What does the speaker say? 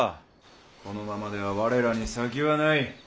このままでは我らに先はない。